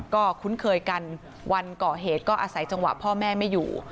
ก็คุ้นเคยกันวันก่อเหตุก็อาศัยจังหวะพ่อแม่ไม่อยู่